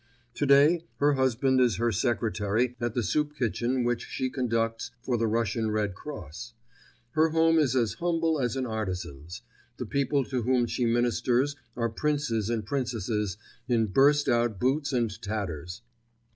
Today her husband is her secretary at the soup kitchen which she conducts for the Russian Red Cross; her home is as humble as an artisan's; the people to whom she ministers are princes and princesses in burst out boots and tatters.